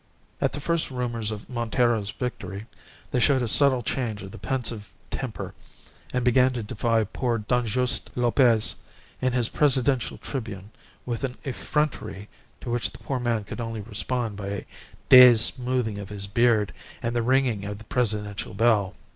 At the first rumours of Montero's victory, they showed a subtle change of the pensive temper, and began to defy poor Don Juste Lopez in his Presidential tribune with an effrontery to which the poor man could only respond by a dazed smoothing of his beard and the ringing of the presidential bell.